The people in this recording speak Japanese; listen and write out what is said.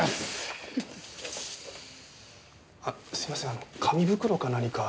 あっすいません紙袋か何か。